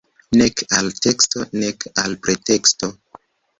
Nek al teksto, nek al preteksto.